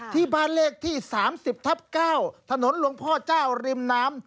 ที่บ้านเลขที่๓๐ทับ๙ถนนหลวงพ่อเจ้าริมน้ำ